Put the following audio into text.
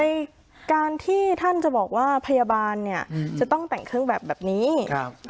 ในการที่ท่านจะบอกว่าพยาบาลเนี่ยจะต้องแต่งเครื่องแบบแบบนี้ครับ